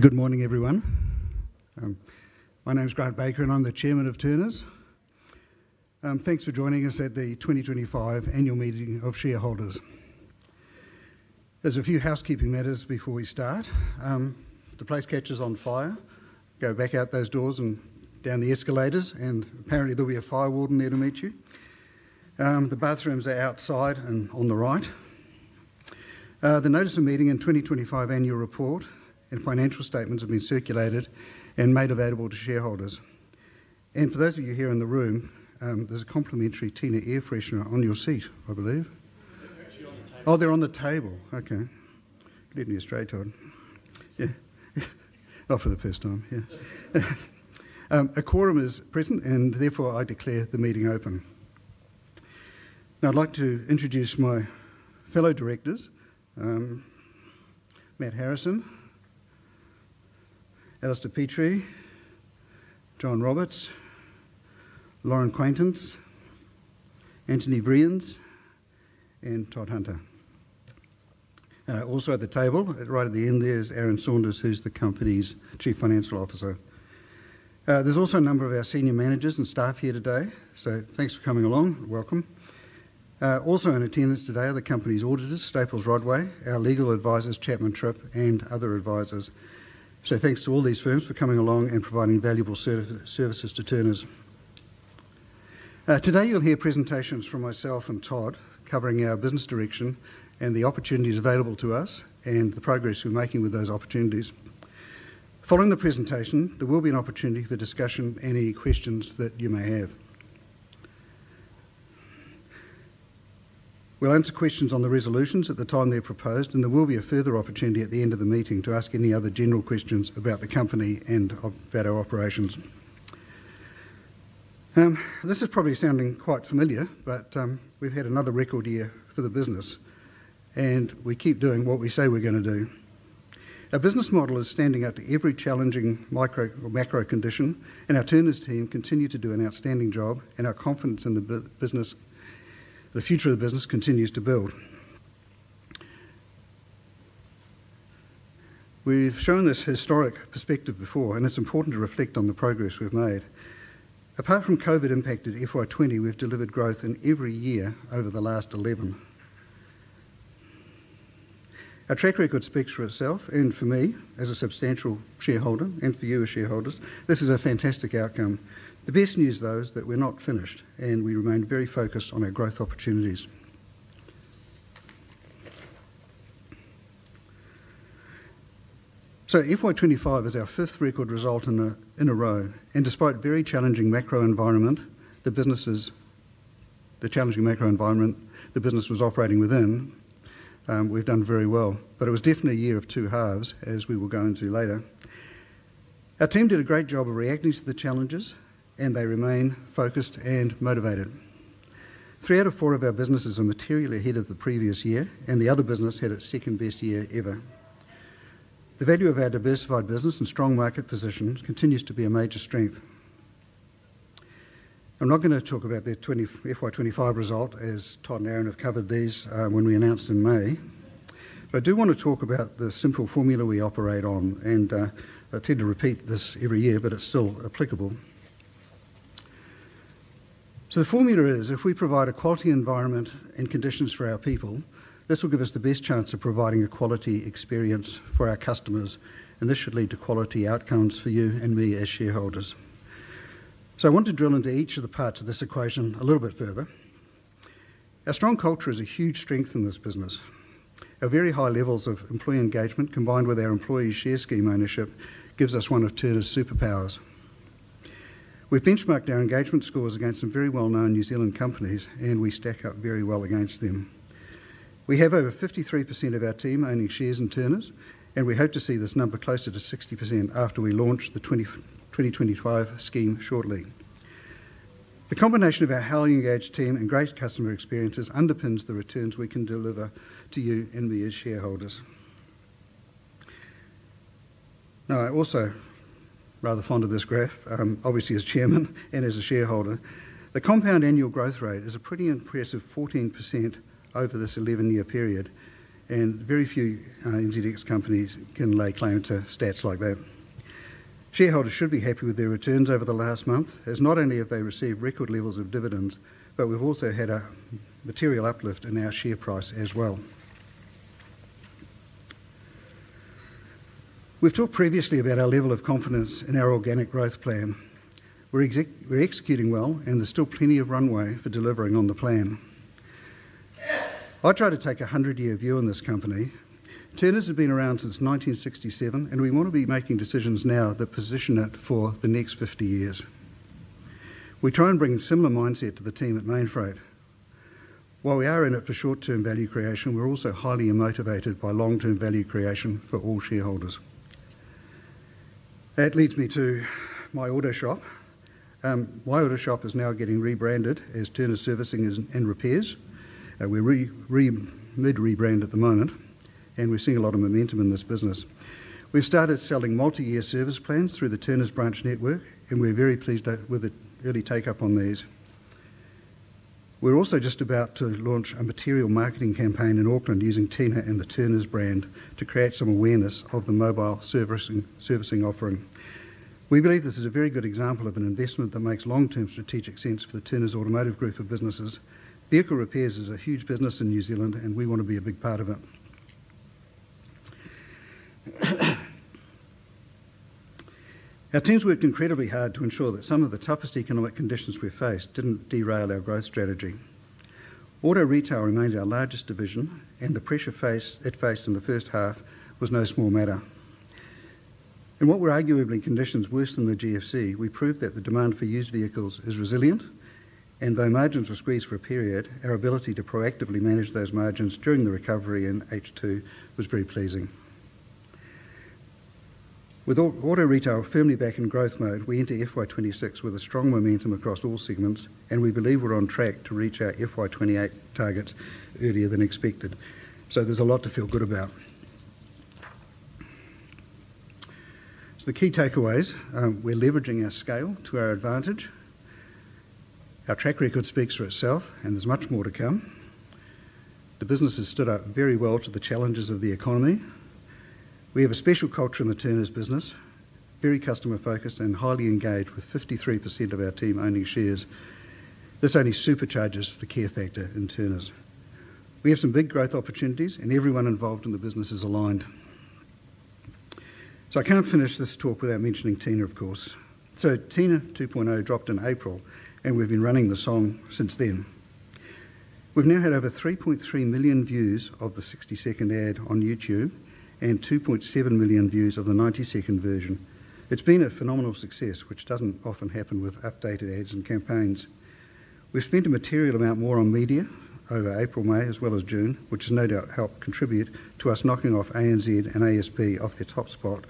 Good morning, everyone. My name is Grant Baker, and I'm the Chairman of Turners. Thanks for joining us at the 2025 Annual Meeting of Shareholders. There are a few housekeeping matters before we start. If the place catches on fire, go back out those doors and down the escalators, and apparently there will be a fire warden there to meet you. The bathrooms are outside and on the right. The notice of meeting and 2025 annual report and financial statements have been circulated and made available to shareholders. For those of you here in the room, there's a complimentary Tina air freshener on your seat, I believe. Oh, they're on the table. Get me a straight one. Not for the first time. A quorum is present, and therefore I declare the meeting open. Now I'd like to introduce my fellow directors: Matt Harrison, Alistair Petrie, John Roberts, Lauren Quaintance, Antony Vriens, and Todd Hunter. Also at the table, right at the end, there's Aaron Saunders, who's the company's Chief Financial Officer. There are also a number of our senior managers and staff here today. Thanks for coming along. Welcome. Also in attendance today are the company's auditors, Staples Rodway, our legal advisors, Chapman Tripp, and other advisors. Thanks to all these firms for coming along and providing valuable services to Turners. Today you'll hear presentations from myself and Todd covering our business direction and the opportunities available to us and the progress we're making with those opportunities. Following the presentation, there will be an opportunity for discussion and any questions that you may have. We'll answer questions on the resolutions at the time they're proposed, and there will be a further opportunity at the end of the meeting to ask any other general questions about the company and about our operations. This is probably sounding quite familiar, but we've had another record year for the business, and we keep doing what we say we're going to do. Our business model is standing up to every challenging micro or macro condition, and our Turners team continues to do an outstanding job, and our confidence in the business, the future of the business continues to build. We've shown this historic perspective before, and it's important to reflect on the progress we've made. Apart from COVID-impacted FY 2020, we've delivered growth in every year over the last 11. Our track record speaks for itself and for me as a substantial shareholder and for you as shareholders. This is a fantastic outcome. The best news, though, is that we're not finished and we remain very focused on our growth opportunities. FY 2025 is our fifth record result in a row, and despite a very challenging macro environment the business was operating within, we've done very well. It was definitely a year of two halves, as we will go into later. Our team did a great job of reacting to the challenges, and they remain focused and motivated. Three out of four of our businesses are materially ahead of the previous year, and the other business had its second best year ever. The value of our diversified business and strong market positions continues to be a major strength. I'm not going to talk about the FY 2025 result, as Todd and Aaron have covered these when we announced in May. I do want to talk about the simple formula we operate on, and I tend to repeat this every year, but it's still applicable. The formula is if we provide a quality environment and conditions for our people, this will give us the best chance of providing a quality experience for our customers, and this should lead to quality outcomes for you and me as shareholders. I want to drill into each of the parts of this equation a little bit further. Our strong culture is a huge strength in this business. Our very high levels of employee engagement combined with our employees' share scheme ownership gives us one of Turners' superpowers. We benchmarked our engagement scores against some very well-known New Zealand companies, and we stack up very well against them. We have over 53% of our team owning shares in Turners, and we hope to see this number closer to 60% after we launch the 2025 scheme shortly. The combination of our highly engaged team and great customer experiences underpins the returns we can deliver to you and me as shareholders. I'm also rather fond of this graph, obviously as Chairman and as a shareholder. The compound annual growth rate is a pretty impressive 14% over this 11-year period, and very few NZ Index companies can lay claim to stats like that. Shareholders should be happy with their returns over the last month, as not only have they received record levels of dividends, but we've also had a material uplift in our share price as well. We've talked previously about our level of confidence in our organic growth plan. We're executing well, and there's still plenty of runway for delivering on the plan. I try to take a 100-year view on this company. Turners has been around since 1967, and we want to be making decisions now that position it for the next 50 years. We try and bring a similar mindset to the team at Mainfreight. While we are in it for short-term value creation, we're also highly motivated by long-term value creation for all shareholders. That leads me to My Auto Shop. My Auto Shop is now getting rebranded as Turners Servicing and Repairs. We're mid-rebrand at the moment, and we're seeing a lot of momentum in this business. We've started selling multi-year service plans through the Turners branch network, and we're very pleased with the early take-up on these. We're also just about to launch a material marketing campaign in Auckland using Tina and the Turners brand to create some awareness of the mobile servicing offering. We believe this is a very good example of an investment that makes long-term strategic sense for the Turners Automotive Group of businesses. Vehicle repairs is a huge business in New Zealand, and we want to be a big part of it. Our team's worked incredibly hard to ensure that some of the toughest economic conditions we've faced didn't derail our growth strategy. Auto retail remains our largest division, and the pressure it faced in the first half was no small matter. While we're arguably in conditions worse than the GFC, we proved that the demand for used vehicles is resilient, and though margins were squeezed for a period, our ability to proactively manage those margins during the recovery in H2 was very pleasing. With auto retail firmly back in growth mode, we enter FY 2026 with a strong momentum across all segments, and we believe we're on track to reach our FY 2028 target earlier than expected. There's a lot to feel good about. The key takeaways, we're leveraging our scale to our advantage. Our track record speaks for itself, and there's much more to come. The business has stood up very well to the challenges of the economy. We have a special culture in the Turners business, very customer-focused and highly engaged with 53% of our team owning shares. This only supercharges the care factor in Turners. We have some big growth opportunities, and everyone involved in the business is aligned. I can't finish this talk without mentioning Tina, of course. Tina 2.0 dropped in April, and we've been running the song since then. We've now had over 3.3 million views of the 60-second ad on YouTube and 2.7 million views of the 90-second version. It's been a phenomenal success, which doesn't often happen with updated ads and campaigns. We've spent a material amount more on media over April, May, as well as June, which has no doubt helped contribute to us knocking off ANZ and ASB off their top spot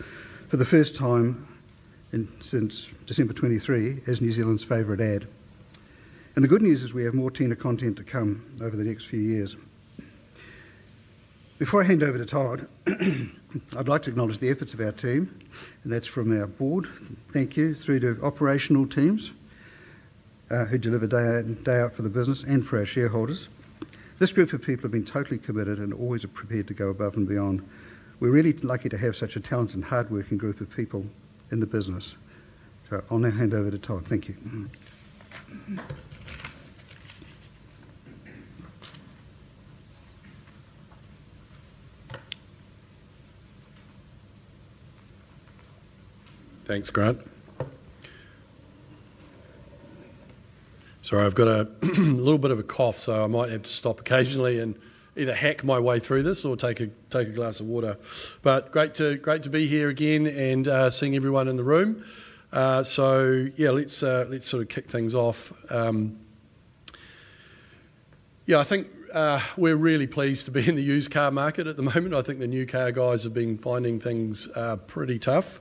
for the first time since December 2023 as New Zealand's favorite ad. The good news is we have more Tina content to come over the next few years. Before I hand over to Todd, I'd like to acknowledge the efforts of our team, and that's from our Board, thank you, through to operational teams who deliver day in and day out for the business and for our shareholders. This group of people have been totally committed and always prepared to go above and beyond. We're really lucky to have such a talented and hard-working group of people in the business. I'll now hand over to Todd. Thank you. Thanks, Grant. Sorry, I've got a little bit of a cough, so I might have to stop occasionally and either hack my way through this or take a glass of water. Great to be here again and seeing everyone in the room. Let's sort of kick things off. I think we're really pleased to be in the used car market at the moment. I think the new car guys have been finding things pretty tough.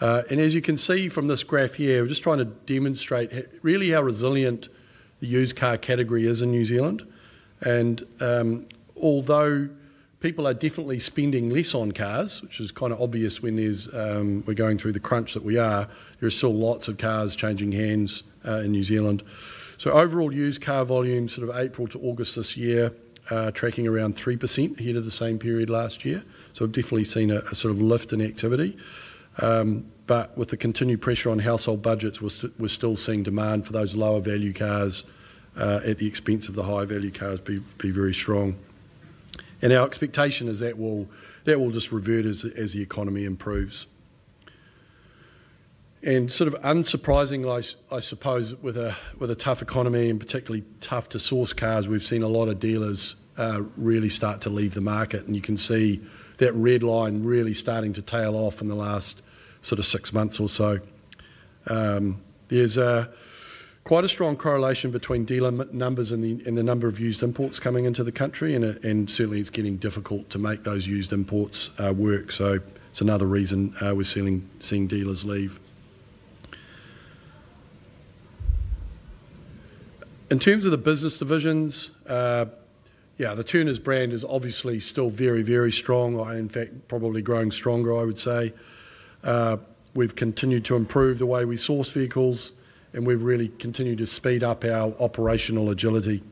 As you can see from this graph here, we're just trying to demonstrate really how resilient the used car category is in New Zealand. Although people are definitely spending less on cars, which is kind of obvious when we're going through the crunch that we are, there's still lots of cars changing hands in New Zealand. Overall used car volume from April to August this year is tracking around 3% ahead of the same period last year. We've definitely seen a sort of lift in activity. With the continued pressure on household budgets, we're still seeing demand for those lower value cars at the expense of the high value cars be very strong. Our expectation is that will just revert as the economy improves. Unsurprisingly, I suppose with a tough economy and particularly tough to source cars, we've seen a lot of dealers really start to leave the market. You can see that red line really starting to tail off in the last six months or so. There's quite a strong correlation between dealer numbers and the number of used imports coming into the country, and it certainly is getting difficult to make those used imports work. It's another reason we're seeing dealers leave. In terms of the business divisions, the Turners brand is obviously still very, very strong, in fact, probably growing stronger, I would say. We've continued to improve the way we source vehicles, and we've really continued to speed up our operational agility.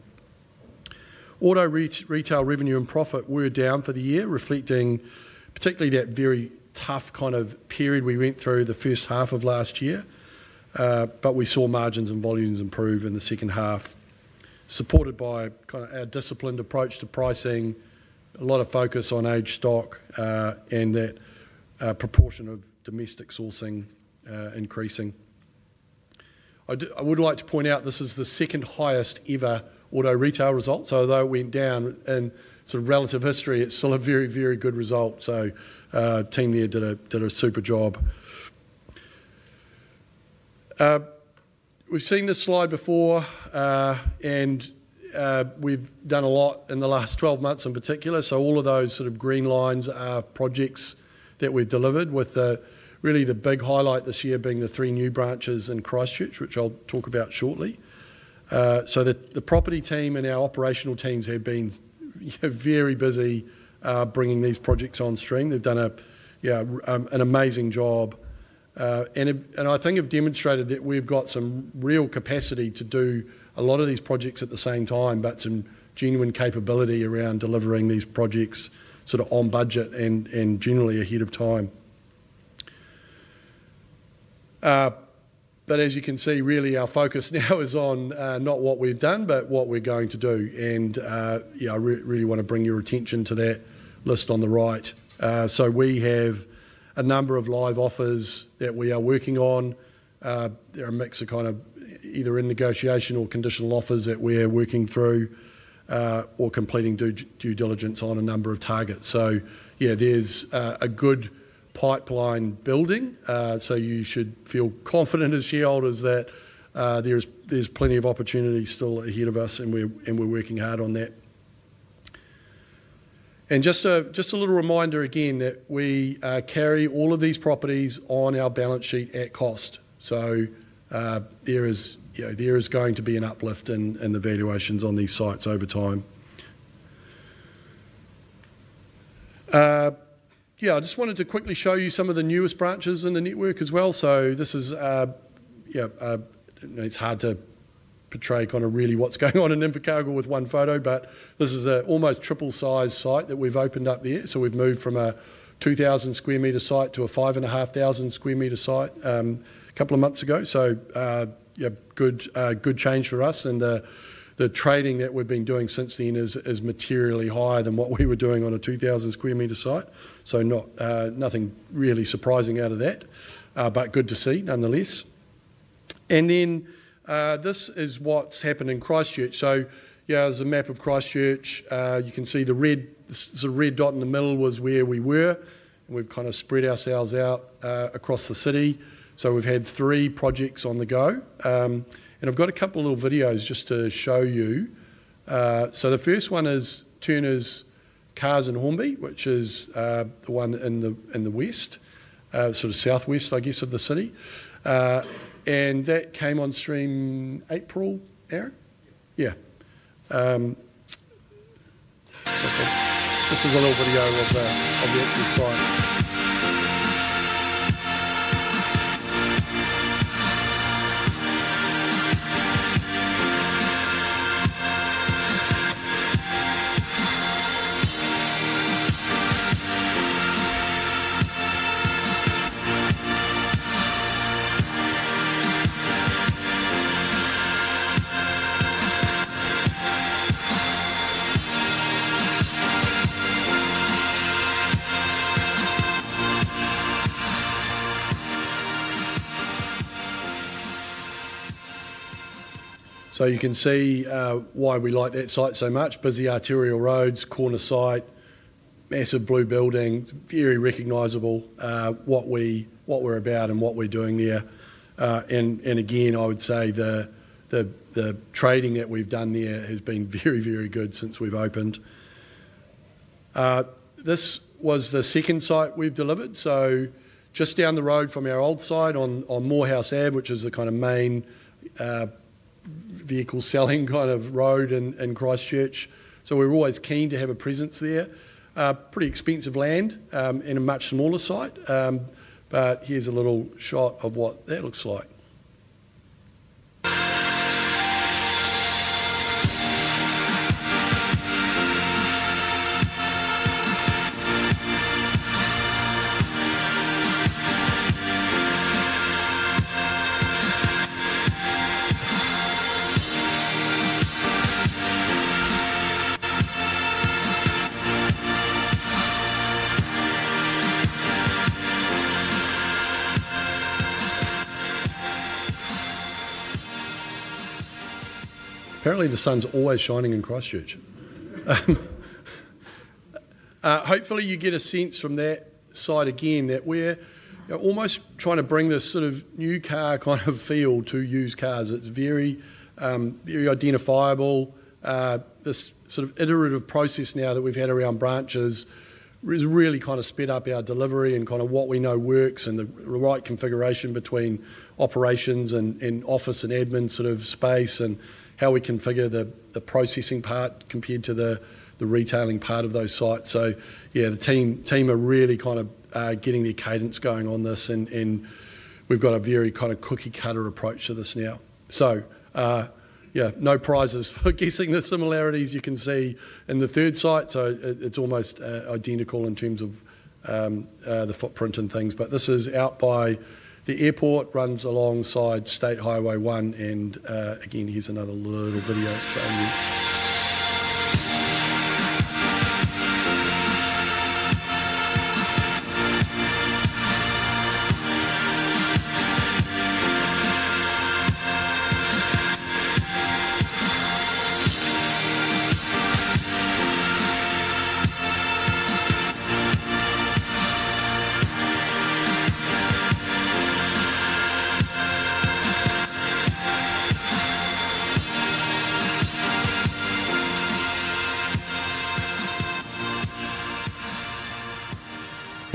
Auto Retail revenue and profit were down for the year, reflecting particularly that very tough kind of period we went through the first half of last year. We saw margins and volumes improve in the second half, supported by our disciplined approach to pricing, a lot of focus on age stock, and that proportion of domestic sourcing increasing. I would like to point out this is the second highest ever auto retail result. Although it went down in relative history, it's still a very, very good result. Team Lear did a super job. We've seen this slide before, and we've done a lot in the last 12 months in particular. All of those sort of green lines are projects that we've delivered, with really the big highlight this year being the three new branches in Christchurch, which I'll talk about shortly. The property team and our operational teams have been very busy bringing these projects on stream. They've done an amazing job. I think I've demonstrated that we've got some real capacity to do a lot of these projects at the same time, with some genuine capability around delivering these projects on budget and generally ahead of time. As you can see, really our focus now is on not what we've done, but what we're going to do. I really want to bring your attention to that list on the right. We have a number of live offers that we are working on. There are a mix of either in negotiation or conditional offers that we're working through or completing due diligence on a number of targets. There's a good pipeline building. You should feel confident as shareholders that there's plenty of opportunity still ahead of us, and we're working hard on that. Just a little reminder again that we carry all of these properties on our balance sheet at cost. There is going to be an uplift in the valuations on these sites over time. I just wanted to quickly show you some of the newest branches in the network as well. It's hard to portray kind of really what's going on in Invercargill with one photo, but this is an almost triple size site that we've opened up there. We've moved from a 2,000 square meter site to a 5,500 square meter site a couple of months ago. Good change for us. The trading that we've been doing since then is materially higher than what we were doing on a 2,000 square meter site. Nothing really surprising out of that, but good to see nonetheless. This is what's happened in Christchurch. There's a map of Christchurch. You can see the red dot in the middle was where we were. We've kind of spread ourselves out across the city. We've had three projects on the go. I've got a couple of little videos just to show you. The first one is Turners Cars in Hornby, which is the one in the west, sort of southwest, I guess, of the city. That came on stream April, Aaron. This is a little video of the activity site. You can see why we like that site so much. Busy arterial roads, corner site, massive blue building, very recognizable what we're about and what we're doing there. I would say the trading that we've done there has been very, very good since we've opened. This was the second site we've delivered, just down the road from our old site on Moorhouse Ave, which is the kind of main vehicle selling kind of road in Christchurch. We're always keen to have a presence there. Pretty expensive land in a much smaller site, but here's a little shot of what that looks like. Apparently, the sun's always shining in Christchurch. Hopefully, you get a sense from that site again that we're almost trying to bring this sort of new car kind of feel to used cars. It's very, very identifiable. This sort of iterative process now that we've had around branches has really kind of sped up our delivery and what we know works and the right configuration between operations and office and admin sort of space and how we configure the processing part compared to the retailing part of those sites. The team are really kind of getting their cadence going on this, and we've got a very kind of cookie-cutter approach to this now. No prizes for guessing the similarities you can see in the third site. It's almost identical in terms of the footprint and things, but this is out by the airport, runs alongside State Highway 1. Here's another little video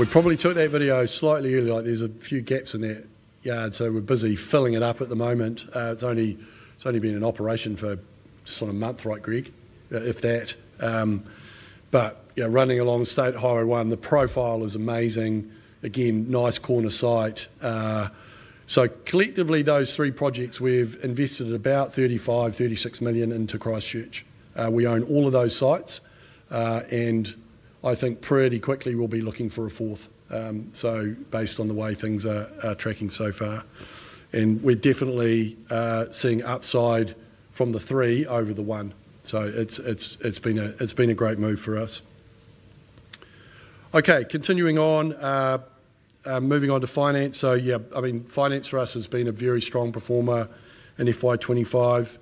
showing you. We're probably doing that video slightly early, like there's a few gaps in that yard, so we're busy filling it up at the moment. It's only been in operation for just on a month, right, Greg? If that. Running along State Highway 1, the profile is amazing. Again, nice corner site. Collectively, those three projects, we've invested about 35 million, 36 million into Christchurch. We own all of those sites, and I think pretty quickly we'll be looking for a fourth, based on the way things are tracking so far. We're definitely seeing upside from the three over the one. It's been a great move for us. Okay, continuing on, moving on to finance. Finance for us has been a very strong performer in FY 2025.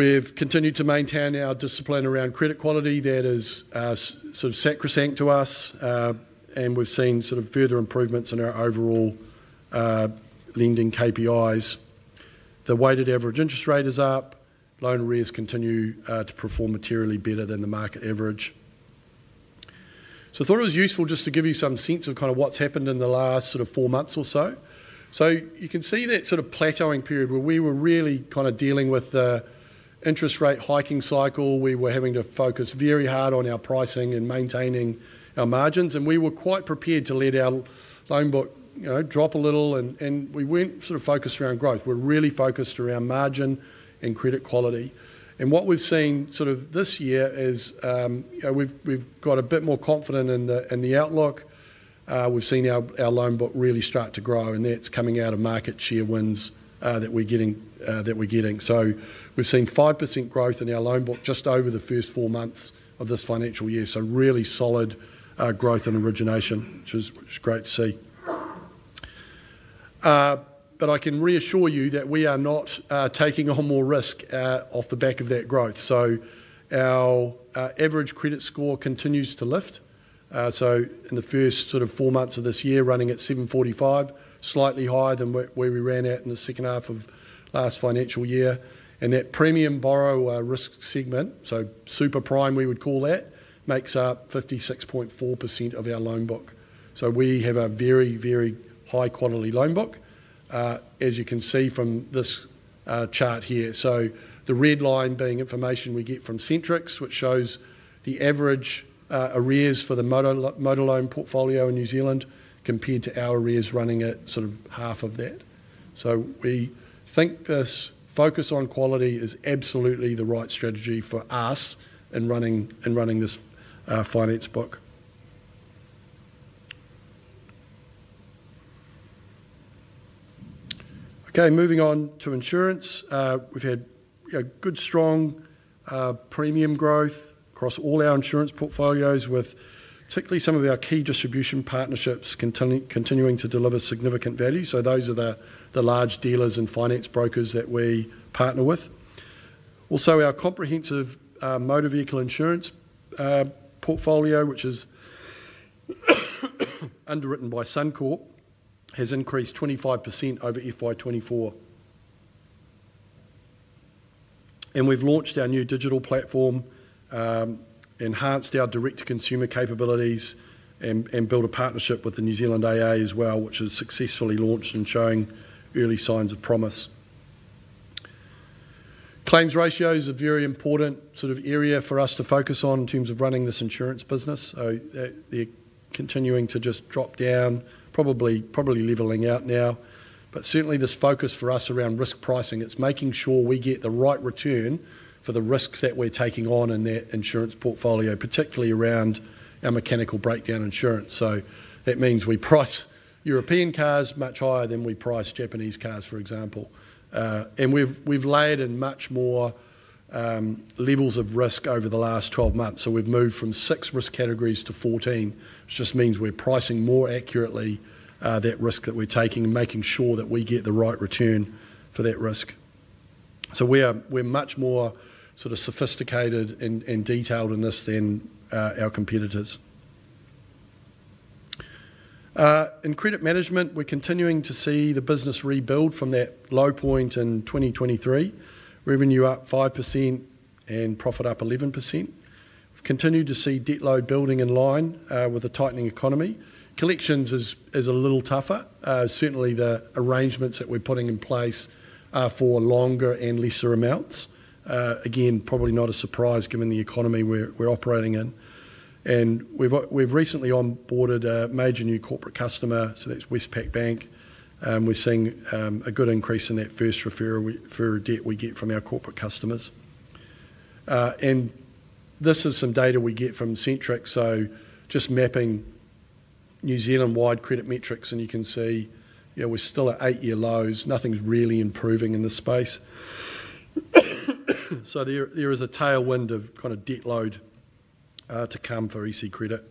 We've continued to maintain our discipline around credit quality. That is sort of sacrosanct to us. We've seen further improvements in our overall lending KPIs. The weighted average interest rate is up. Loan arrears continue to perform materially better than the market average. I thought it was useful just to give you some sense of kind of what's happened in the last sort of four months or so. You can see that sort of plateauing period where we were really kind of dealing with the interest rate hiking cycle. We were having to focus very hard on our pricing and maintaining our margins. We were quite prepared to let our loan book drop a little, and we weren't focused around growth. We were really focused around margin and credit quality. What we've seen this year is, you know, we've got a bit more confidence in the outlook. We've seen our loan book really start to grow, and that's coming out of market share wins that we're getting. We've seen 5% growth in our loan book just over the first four months of this financial year. Really solid growth and origination, which is great to see. I can reassure you that we are not taking on more risk off the back of that growth. Our average credit score continues to lift. In the first four months of this year, running at 745, slightly higher than where we ran at in the second half of last financial year. That premium borrower risk segment, so super prime, we would call that, makes up 56.4% of our loan book. We have a very, very high quality loan book, as you can see from this chart here. The red line being information we get from Centrix, which shows the average arrears for the motor loan portfolio in New Zealand compared to our arrears running at half of that. We think this focus on quality is absolutely the right strategy for us in running this finance book. Moving on to insurance. We've had good, strong premium growth across all our insurance portfolios, with particularly some of our key distribution partnerships continuing to deliver significant value. Those are the large dealers and finance brokers that we partner with. Also, our comprehensive motor vehicle insurance portfolio, which is underwritten by Suncorp, has increased 25% over FY 2024. We've launched our new digital platform, enhanced our direct-to-consumer capabilities, and built a partnership with the New Zealand AA as well, which was successfully launched and showing early signs of promise. Claims ratios are a very important area for us to focus on in terms of running this insurance business. They're continuing to just drop down, probably leveling out now. Certainly, this focus for us around risk pricing, it's making sure we get the right return for the risks that we're taking on in that insurance portfolio, particularly around our mechanical breakdown insurance. That means we price European cars much higher than we price Japanese cars, for example. We've laid in much more levels of risk over the last 12 months. We've moved from six risk categories to 14, which just means we're pricing more accurately that risk that we're taking and making sure that we get the right return for that risk. We're much more sort of sophisticated and detailed in this than our competitors. In credit management, we're continuing to see the business rebuild from that low point in 2023. Revenue up 5% and profit up 11%. We've continued to see debt load building in line with a tightening economy. Collections is a little tougher. Certainly, the arrangements that we're putting in place are for longer and lesser amounts. Probably not a surprise given the economy we're operating in. We've recently onboarded a major new corporate customer, so that's Westpac Bank. We're seeing a good increase in that first referral debt we get from our corporate customers. This is some data we get from Centrix. Just mapping New Zealand-wide credit metrics, and you can see, yeah, we're still at eight-year lows. Nothing's really improving in this space. There is a tailwind of kind of debt load to come for EC credit.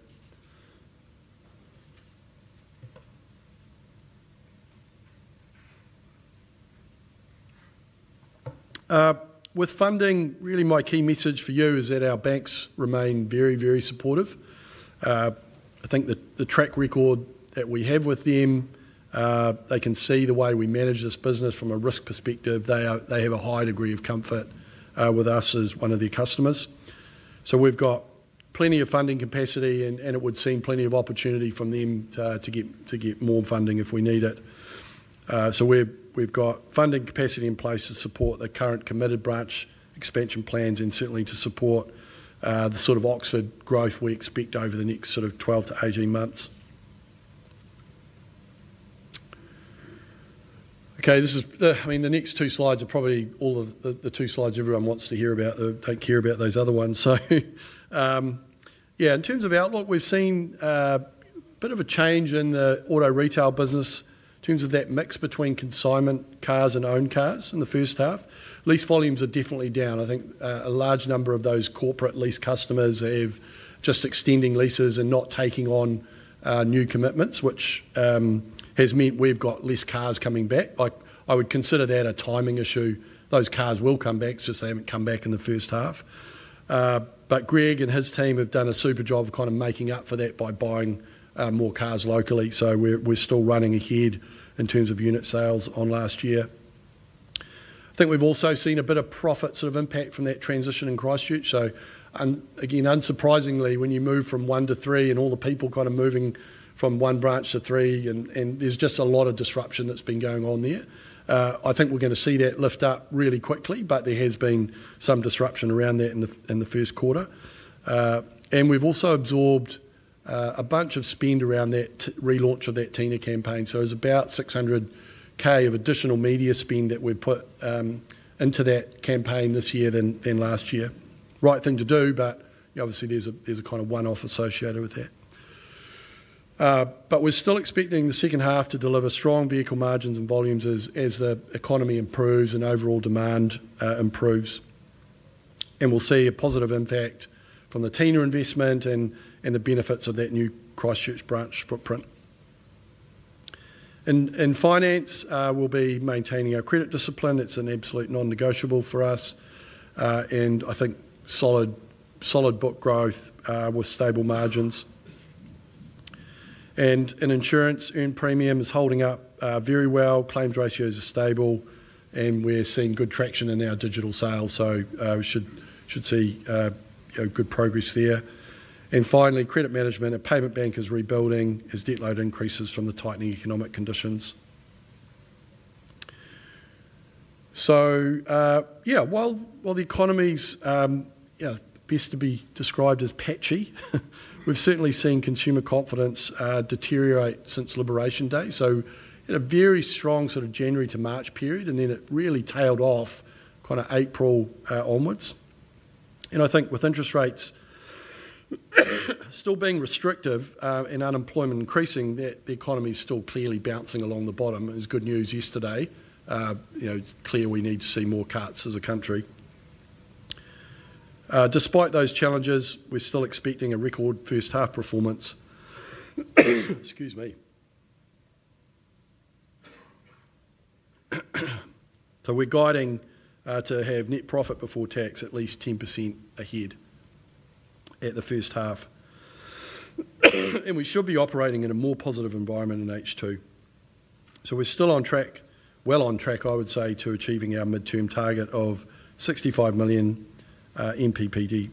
With funding, really my key message for you is that our banks remain very, very supportive. I think that the track record that we have with them, they can see the way we manage this business from a risk perspective. They have a high degree of comfort with us as one of their customers. We've got plenty of funding capacity, and it would seem plenty of opportunity from them to get more funding if we need it. We've got funding capacity in place to support the current committed branch expansion plans and certainly to support the sort of Oxford growth we expect over the next 12-18 months. This is the, I mean, the next two slides are probably all of the two slides everyone wants to hear about. They care about those other ones. In terms of outlook, we've seen a bit of a change in the auto retail business in terms of that mix between consignment cars and owned cars in the first half. Lease volumes are definitely down. I think a large number of those corporate lease customers are just extending leases and not taking on new commitments, which has meant we've got less cars coming back. I would consider that a timing issue. Those cars will come back. It's just they haven't come back in the first half. Greg and his team have done a super job of kind of making up for that by buying more cars locally. We're still running ahead in terms of unit sales on last year. I think we've also seen a bit of profit sort of impact from that transition in Christchurch. Again, unsurprisingly, when you move from one to three and all the people kind of moving from one branch to three, there's just a lot of disruption that's been going on there. I think we're going to see that lift up really quickly. There has been some disruption around that in the first quarter. We've also absorbed a bunch of spend around that relaunch of that Tina campaign. It was about 600,000 of additional media spend that we put into that campaign this year than last year. Right thing to do, but obviously there's a kind of one-off associated with that. We're still expecting the second half to deliver strong vehicle margins and volumes as the economy improves and overall demand improves. We'll see a positive impact from the Tina investment and the benefits of that new Christchurch branch footprint. In finance, we'll be maintaining our credit discipline. It's an absolute non-negotiable for us. I think solid book growth with stable margins. In insurance and premiums, holding up very well. Claims ratios are stable. We're seeing good traction in our digital sales. We should see good progress there. Finally, credit management, a payment bank is rebuilding as debt load increases from the tightening economic conditions. While the economy is best to be described as patchy, we've certainly seen consumer confidence deteriorate since Liberation Day. In a very strong sort of January to March period, then it really tailed off kind of April onwards. I think with interest rates still being restrictive and unemployment increasing, the economy is still clearly bouncing along the bottom. It was good news yesterday. It's clear we need to see more cuts as a country. Despite those challenges, we're still expecting a record first-half performance. Excuse me. We're guiding to have net profit before tax at least 10% ahead at the first half. We should be operating in a more positive environment in H2. We're still on track, well on track, I would say, to achieving our midterm target of 65 million NPBT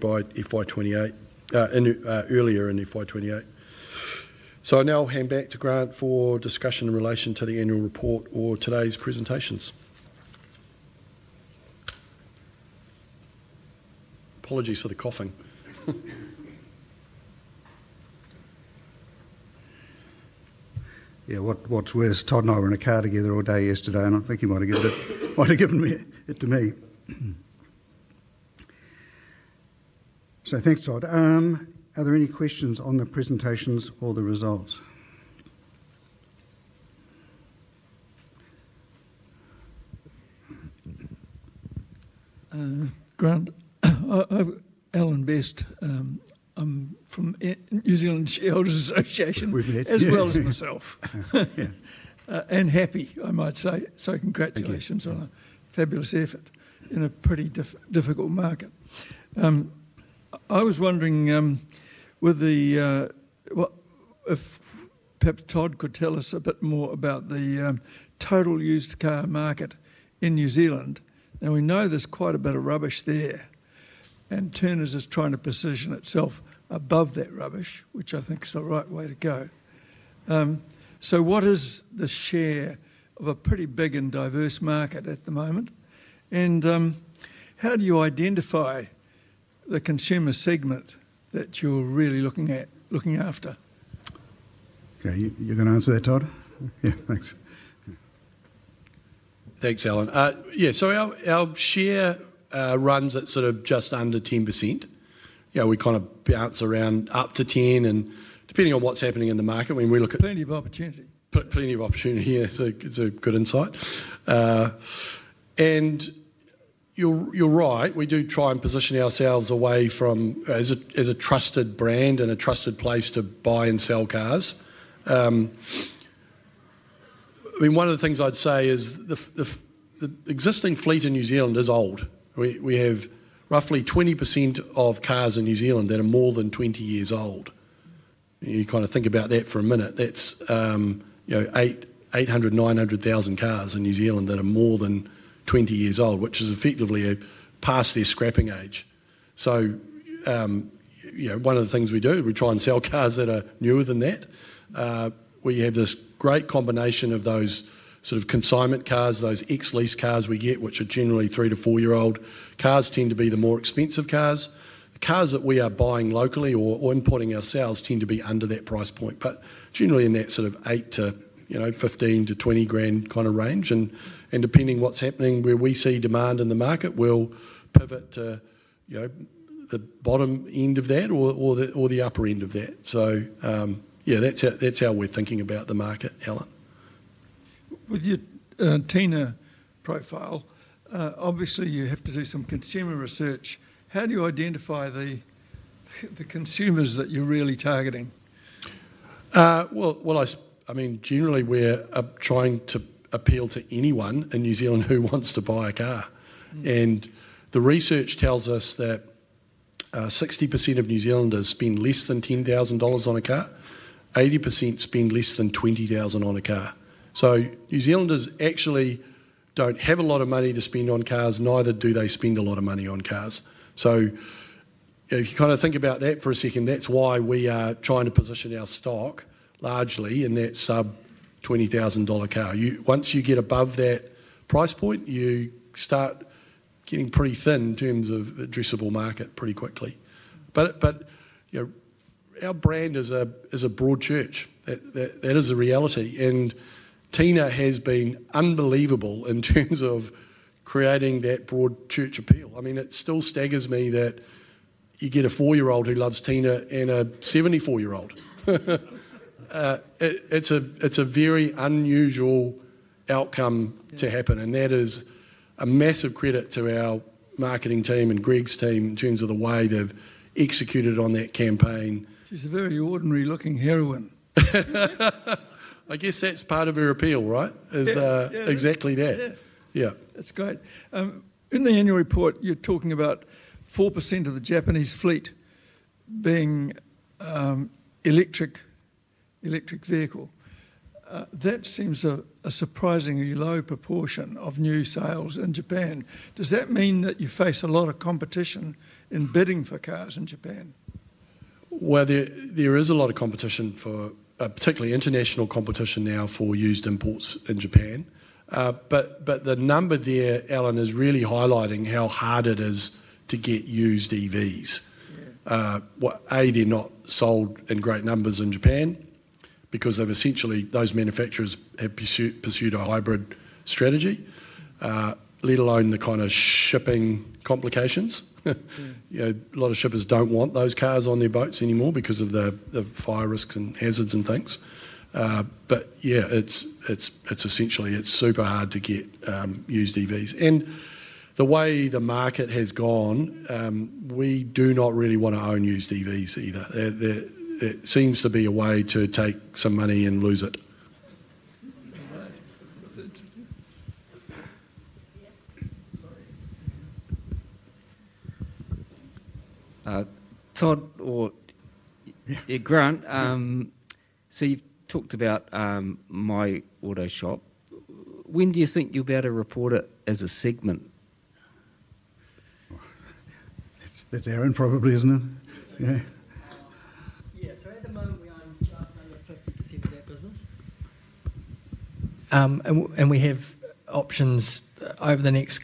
by FY 2028, earlier in FY 2028. I'll now hand back to Grant for discussion in relation to the annual report or today's presentations. Apologies for the coughing. Yeah, what's worse? Todd and I were in a car together all day yesterday, and I think he might have given it to me. Thanks, Todd. Are there any questions on the presentations or the results? Grant, I'm Alan Best. I'm from New Zealand Shareholders Association, as well as myself. Yeah, and happy, I might say. Congratulations on a fabulous effort in a pretty difficult market. I was wondering if perhaps Todd could tell us a bit more about the total used car market in New Zealand. Now we know there's quite a bit of rubbish there, and Turners is trying to position itself above that rubbish, which I think is the right way to go. What is the share of a pretty big and diverse market at the moment? How do you identify the consumer segment that you're really looking at, looking after? Okay, you're going to answer that, Todd? Yeah, thanks. Thanks, Alan. Yeah, our share runs at sort of just under 10%. We kind of bounce around up to 10%, and depending on what's happening in the market, when we look at. Plenty of opportunity. Plenty of opportunity here. It's a good insight. You're right. We do try and position ourselves as a trusted brand and a trusted place to buy and sell cars. One of the things I'd say is the existing fleet in New Zealand is old. We have roughly 20% of cars in New Zealand that are more than 20 years old. Think about that for a minute. That's 800,000, 900,000 cars in New Zealand that are more than 20 years old, which is effectively past their scrapping age. One of the things we do is we try and sell cars that are newer than that. We have this great combination of those consignment cars, those ex-lease cars we get, which are generally three to four-year-old cars, tend to be the more expensive cars. Cars that we are buying locally or importing ourselves tend to be under that price point, but generally in that 8,000-15,000-NZD 20,000 kind of range. Depending on what's happening, where we see demand in the market, we'll pivot to the bottom end of that or the upper end of that. That's how we're thinking about the market, Alan. With your Tina profile, obviously you have to do some consumer research. How do you identify the consumers that you're really targeting? Generally, we're trying to appeal to anyone in New Zealand who wants to buy a car. The research tells us that 60% of New Zealanders spend less than 10,000 dollars on a car. 80% spend less than 20,000 on a car. New Zealanders actually don't have a lot of money to spend on cars, neither do they spend a lot of money on cars. If you kind of think about that for a second, that's why we are trying to position our stock largely in that sub-NZD 20,000 car. Once you get above that price point, you start getting pretty thin in terms of the addressable market pretty quickly. Our brand is a broad church. That is a reality. Tina has been unbelievable in terms of creating that broad church appeal. It still staggers me that you get a four-year-old who loves Tina and a 74-year-old. It's a very unusual outcome to happen. That is a massive credit to our marketing team and Greg's team in terms of the way they've executed on that campaign. She's a very ordinary-looking heroine. I guess that's part of her appeal, right? Exactly that. Yeah, that's great. In the annual report, you're talking about 4% of the Japanese fleet being electric vehicles. That seems a surprisingly low proportion of new sales in Japan. Does that mean that you face a lot of competition in bidding for cars in Japan? There is a lot of competition, particularly international competition now, for used imports in Japan. The number there, Alan, is really highlighting how hard it is to get used EVs. They're not sold in great numbers in Japan because those manufacturers have essentially pursued a hybrid strategy, let alone the kind of shipping complications. A lot of shippers don't want those cars on their boats anymore because of the fire risks and hazards and things. It's super hard to get used EVs. The way the market has gone, we do not really want to own used EVs either. There seems to be a way to take some money and lose it. Todd or Grant, you've talked about My Auto Shop. When do you think you'll be able to report it as a segment? It's there, isn't it? At the moment, we own just over 50% of that business. We have options over the next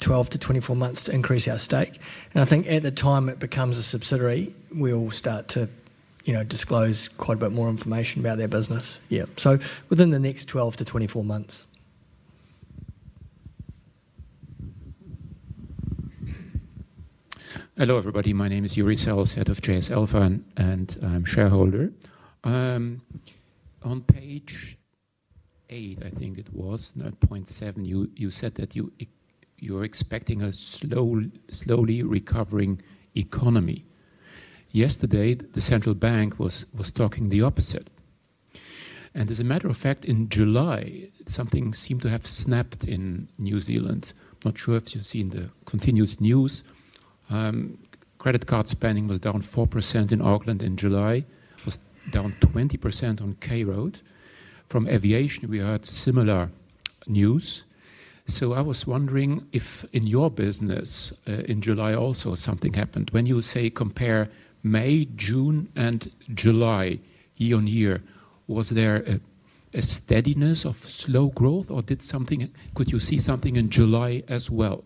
12-24 months to increase our stake. I think at the time it becomes a subsidiary, we'll start to disclose quite a bit more information about their business, within the next 12-24 months. Hello everybody, my name is [Uri Sales, Head of JSL Fund], and I'm a shareholder. On page eight, I think it was, point seven, you said that you're expecting a slowly recovering economy. Yesterday, the central bank was talking the opposite. As a matter of fact, in July, something seemed to have snapped in New Zealand. I'm not sure if you've seen the continuous news. Credit card spending was down 4% in Auckland in July, was down 20% on K Road. From aviation, we heard similar news. I was wondering if in your business in July also something happened. When you say compare May, June, and July, year-on-year, was there a steadiness of slow growth or did something, could you see something in July as well?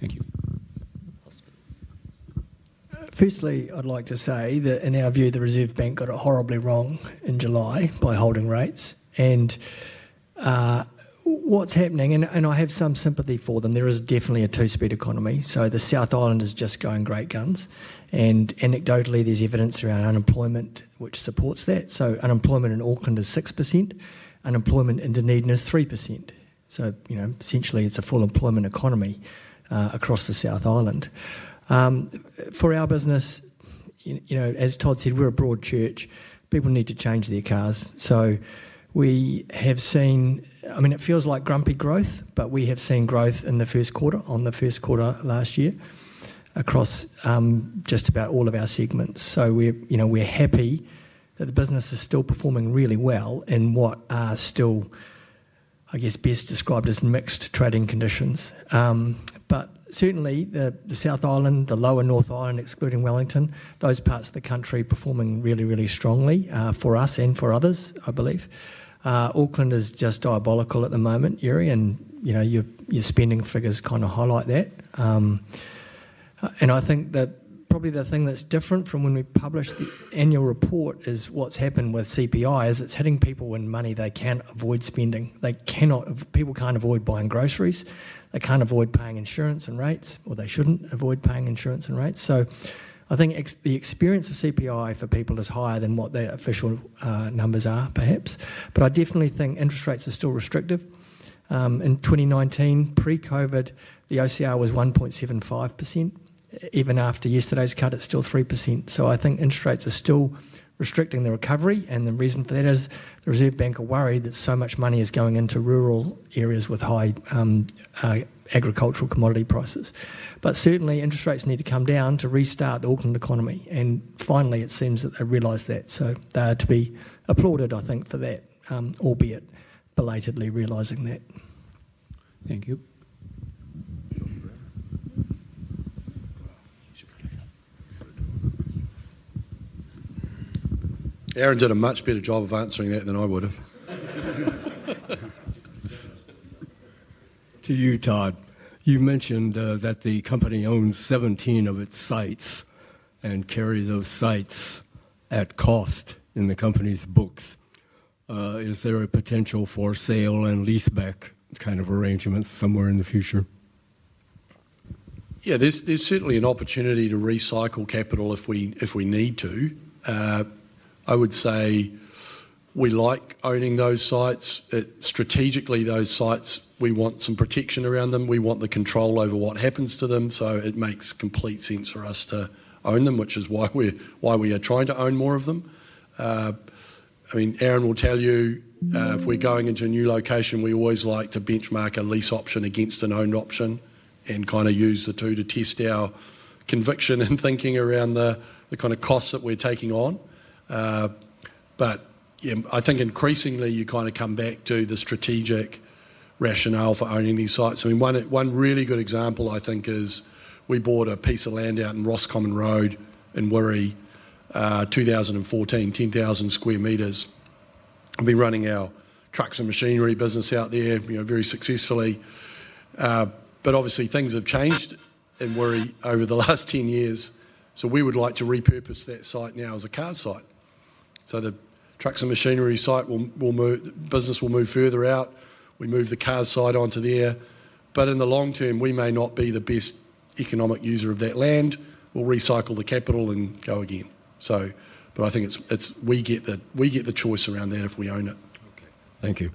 Thank you. Firstly, I'd like to say that in our view, the Reserve Bank got it horribly wrong in July by holding rates. What's happening, and I have some sympathy for them, there is definitely a two-speed economy. The South Island is just going great guns, and anecdotally, there's evidence around unemployment which supports that. Unemployment in Auckland is 6%. Unemployment in Dunedin is 3%. Essentially, it's a full employment economy across the South Island. For our business, as Todd said, we're a broad church. People need to change their cars. We have seen, I mean, it feels like grumpy growth, but we have seen growth in the first quarter, on the first quarter last year, across just about all of our segments. We're happy that the business is still performing really well in what are still, I guess, best described as mixed trading conditions. Certainly, the South Island, the lower North Island, excluding Wellington, those parts of the country are performing really, really strongly for us and for others, I believe. Auckland is just diabolical at the moment, Uri, and your spending figures kind of highlight that. I think that probably the thing that's different from when we published the annual report is what's happened with CPI, it's hitting people when money they can't avoid spending. People can't avoid buying groceries. They can't avoid paying insurance and rates, or they shouldn't avoid paying insurance and rates. I think the experience of CPI for people is higher than what their official numbers are, perhaps. I definitely think interest rates are still restrictive. In 2019, pre-COVID, the OCR was 1.75%. Even after yesterday's cut, it's still 3%. I think interest rates are still restricting the recovery, and the reason for that is the Reserve Bank are worried that so much money is going into rural areas with high agricultural commodity prices. Certainly, interest rates need to come down to restart the Auckland economy. Finally, it seems that they've realized that. They're to be applauded, I think, for that, albeit belatedly realizing that. Thank you. Aaron did a much better job of answering that than I would have. To you, Todd. You've mentioned that the company owns 17 of its sites and carries those sites at cost in the company's books. Is there a potential for sale and leaseback kind of arrangements somewhere in the future? Yeah, there's certainly an opportunity to recycle capital if we need to. I would say we like owning those sites. Strategically, those sites, we want some protection around them. We want the control over what happens to them. It makes complete sense for us to own them, which is why we are trying to own more of them. Aaron will tell you, if we're going into a new location, we always like to benchmark a lease option against an owned option and kind of use the two to test our conviction and thinking around the kind of costs that we're taking on. I think increasingly you kind of come back to the strategic rationale for owning these sites. One really good example I think is we bought a piece of land out in Roscommon Road in Wiri, 2014, 10,000 square meters. We've been running our trucks and machinery business out there very successfully. Obviously, things have changed in Wiri over the last 10 years. We would like to repurpose that site now as a car site. The trucks and machinery site will move, the business will move further out. We move the car site onto there. In the long term, we may not be the best economic user of that land. We'll recycle the capital and go again. I think we get the choice around that if we own it. Thank you.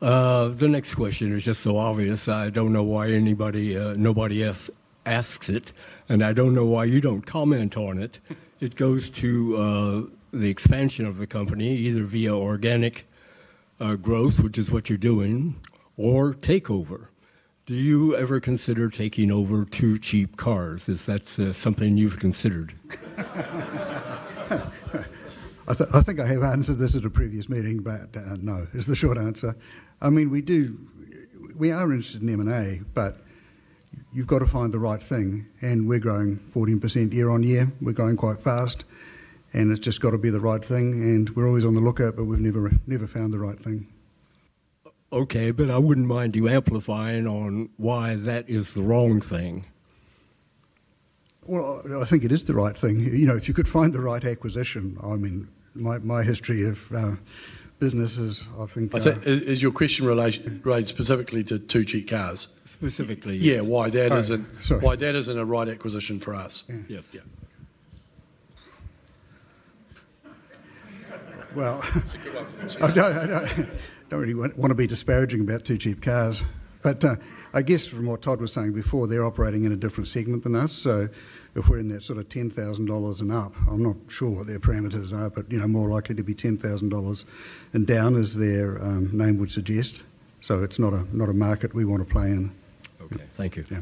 The next question is just so obvious. I don't know why anybody, nobody else asks it. I don't know why you don't comment on it. It goes to the expansion of the company, either via organic growth, which is what you're doing, or takeover. Do you ever consider taking over 2 Cheap Cars? Is that something you've considered? I think I have answered this at a previous meeting. No, it's the short answer. I mean, we are interested in M&A, but you've got to find the right thing. We're growing 14% year-on-year. We're growing quite fast. It's just got to be the right thing. We're always on the lookout, but we've never found the right thing. Okay, I wouldn't mind you amplifying on why that is the wrong thing. I think it is the right thing. You know, if you could find the right acquisition, I mean, my history of businesses, I think. Is your question related specifically to 2 Cheap Cars? Specifically. Yeah, why that isn't a right acquisition for us. Yeah. Well. It's a good option. I don't really want to be disparaging about 2 Cheap Cars. I guess from what Todd was saying before, they're operating in a different segment than us. If we're in that sort of 10,000 dollars and up, I'm not sure what their parameters are, but you know, more likely to be 10,000 dollars and down as their name would suggest. It's not a market we want to play in. Okay, thank you. Yeah.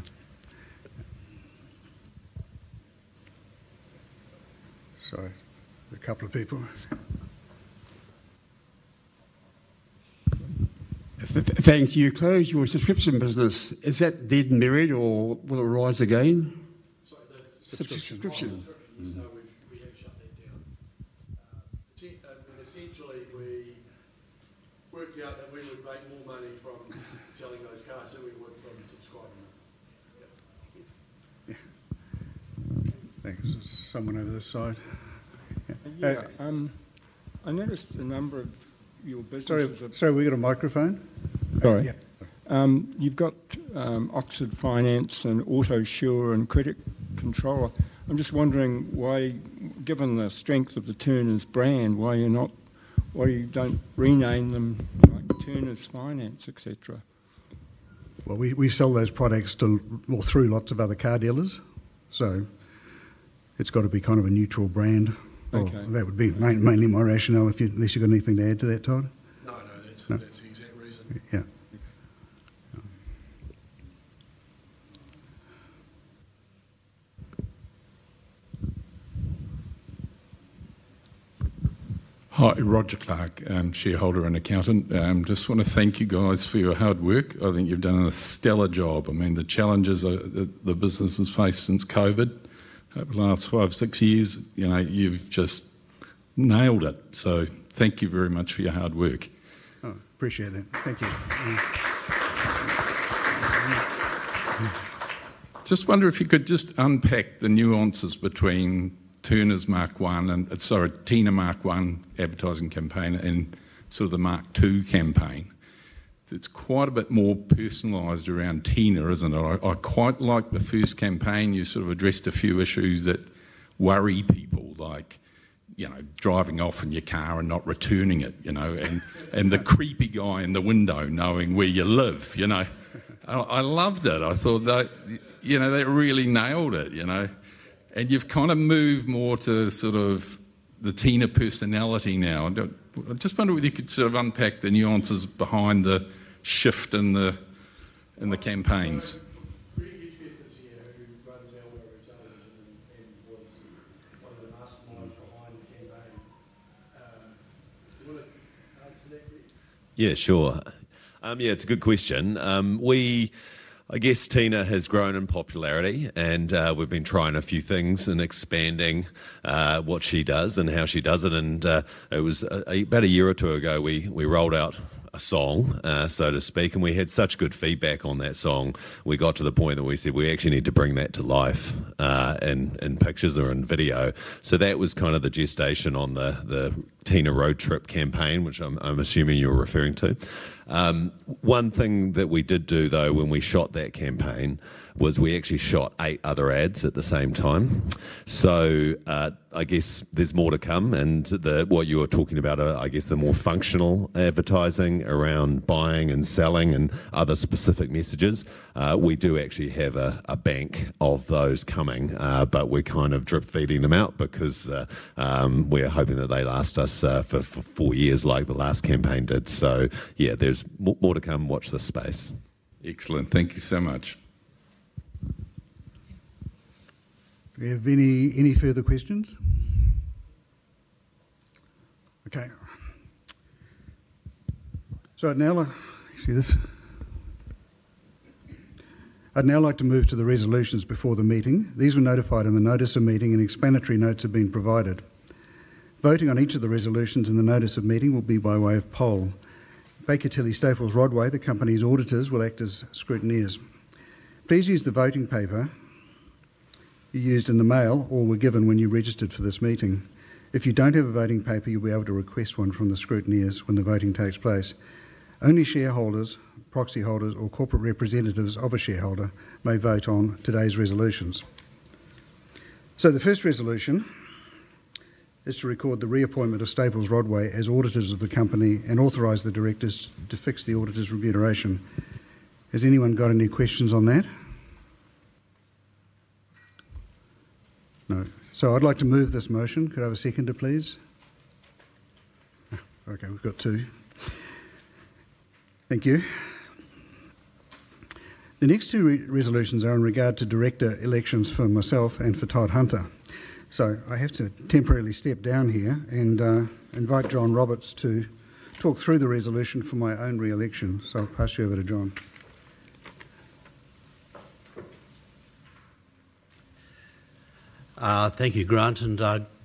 Sorry, a couple of people. Thanks. You closed your subscription business. Is that dead and buried or will it rise again? Subscription? Subscription. Essentially, we worked out that we'd make more money from selling those cars than we would if we were subscribing to them. Yeah, thanks. There's someone over this side. I noticed a number of your businesses. Sorry, we got a microphone? Sorry. You've got Oxford Finance and Autosure and Credit Control. I'm just wondering why, given the strength of the Turners brand, why you don't rename them like Turners Finance, etc. We sell those products through lots of other car dealers, so it's got to be kind of a neutral brand. That would be mainly my rationale, unless you've got anything to add to that, Todd. That's the exact reason. Yeah. Hi, [Roger Clark], shareholder and accountant. I just want to thank you guys for your hard work. I think you've done a stellar job. I mean, the challenges that the business has faced since COVID over the last five, six years, you've just nailed it. Thank you very much for your hard work. Appreciate that. Thank you. Just wonder if you could unpack the nuances between Tina Mark One advertising campaign and the Mark Two campaign. It's quite a bit more personalized around Tina, isn't it? I quite like the first campaign. You addressed a few issues that worry people, like driving off in your car and not returning it, and the creepy guy in the window knowing where you live. I loved it. I thought that really nailed it. You've kind of moved more to the Tina personality now. I just wonder whether you could unpack the nuances behind the shift in the campaigns. One of the last miles behind the campaign. Yeah, sure. It's a good question. Tina has grown in popularity, and we've been trying a few things and expanding what she does and how she does it. It was about a year or two ago we rolled out a song, so to speak, and we had such good feedback on that song. We got to the point that we said we actually need to bring that to life in pictures or in video. That was kind of the gestation on the Tina road trip campaign, which I'm assuming you were referring to. One thing that we did do when we shot that campaign was we actually shot eight other ads at the same time. There's more to come. What you were talking about, the more functional advertising around buying and selling and other specific messages, we do actually have a bank of those coming, but we're kind of drip feeding them out because we're hoping that they last us for four years like the last campaign did. There's more to come. Watch this space. Excellent. Thank you so much. Do we have any further questions? Okay. Now, you see this? I'd now like to move to the resolutions before the meeting. These were notified in the notice of meeting, and explanatory notes have been provided. Voting on each of the resolutions in the notice of meeting will be by way of poll. Baker Tilly Staples Rodway, the company's auditors, will act as scrutineers. Please use the voting paper you used in the mail or were given when you registered for this meeting. If you don't have a voting paper, you'll be able to request one from the scrutineers when the voting takes place. Only shareholders, proxy holders, or corporate representatives of a shareholder may vote on today's resolutions. The first resolution is to record the reappointment of Staples Rodway as auditors of the company and authorize the directors to fix the auditor's remuneration. Has anyone got any questions on that? No. I'd like to move this motion. Could I have a seconder, please? Okay, we've got two. Thank you. The next two resolutions are in regard to director elections for myself and for Todd Hunter. I have to temporarily step down here and invite John Roberts to talk through the resolution for my own reelection. I'll pass you over to John. Thank you, Grant, and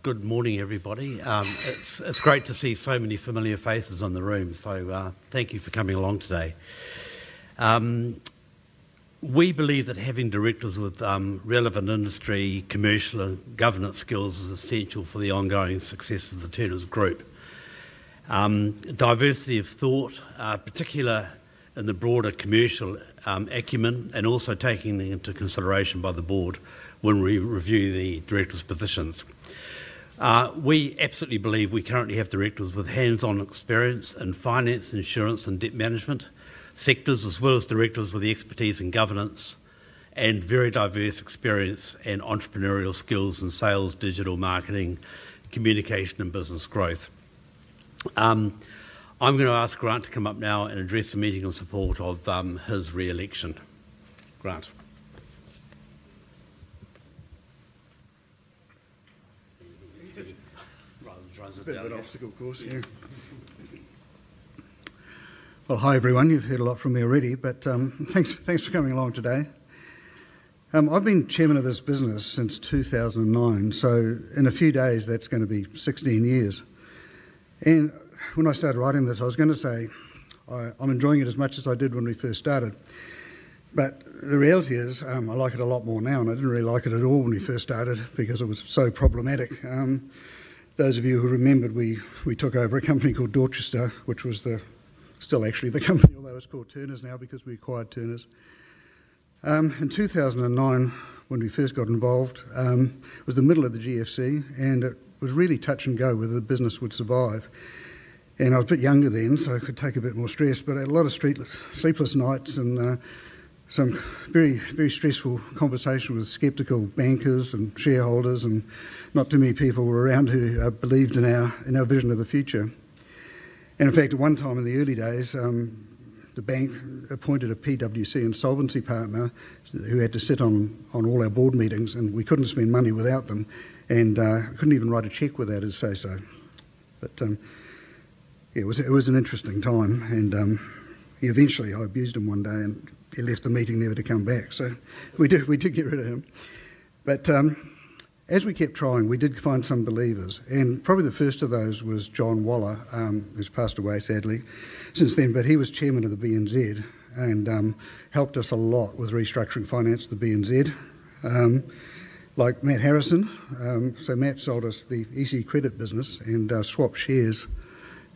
good morning, everybody. It's great to see so many familiar faces in the room. Thank you for coming along today. We believe that having directors with relevant industry, commercial, and governance skills is essential for the ongoing success of Turners Group. Diversity of thought, particularly in the broader commercial acumen, is also taken into consideration by the Board when we review the directors' positions. We absolutely believe we currently have directors with hands-on experience in finance, insurance, and debt management sectors, as well as directors with expertise in governance and very diverse experience in entrepreneurial skills and sales, digital marketing, communication, and business growth. I'm going to ask Grant to come up now and address the meeting in support of his reelection. Grant? A bit of an obstacle, of course. Yeah. Hi everyone. You've heard a lot from me already, but thanks for coming along today. I've been Chairman of this business since 2009, so in a few days, that's going to be 16 years. When I started writing this, I was going to say I'm enjoying it as much as I did when we first started. The reality is I like it a lot more now, and I didn't really like it at all when we first started because it was so problematic. Those of you who remembered, we took over a company called Dorchester, which was still actually the company, although it's called Turners now because we acquired Turners. In 2009, when we first got involved, it was the middle of the GFC, and it was really touch and go whether the business would survive. I was a bit younger then, so I could take a bit more stress, but a lot of sleepless nights and some very, very stressful conversations with skeptical bankers and shareholders, and not too many people were around who believed in our vision of the future. In fact, at one time in the early days, the bank appointed a PWC insolvency partner who had to sit on all our board meetings, and we couldn't spend money without them, and couldn't even write a check without his say-so. It was an interesting time. Eventually, I abused him one day, and he left the meeting never to come back. We did get rid of him. As we kept trying, we did find some believers. Probably the first of those was John Waller, who's passed away sadly since then, but he was Chairman of the BNZ and helped us a lot with restructuring finance, the BNZ. Like Matt Harrison. Matt sold us the EC credit business and swapped shares